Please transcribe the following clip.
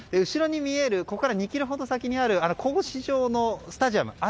後ろに見えるここから２ｋｍほど先にある格子状のスタジアム。